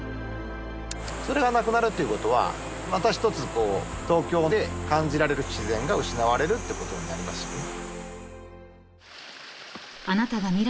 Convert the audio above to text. それがなくなるということはまた一つこう東京で感じられる自然が失われるっていうことになりますよね。